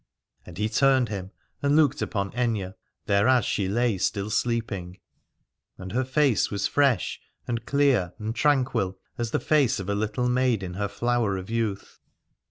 And he turned him and looked upon Aithne, thereas she lay still sleeping : and her face was fresh and clear and tranquil as the face of a little maid in her flower of youth.